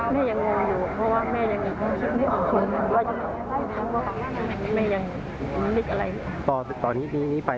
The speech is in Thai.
แม่ยังงงอยู่เพราะว่าแม่ยังไม่อธิบาย